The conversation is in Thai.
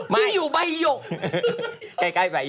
มายบ่าหิหยก